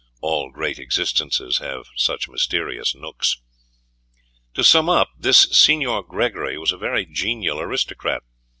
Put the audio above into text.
All great existences have such mysterious nooks. To sum up, this Signor Gregory was a very genial aristocrat.